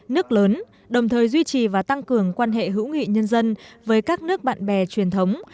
nước lớn đồng thời duy trì và tăng cường quan hệ hữu nghị nhân dân với các nước bạn bè truyền thống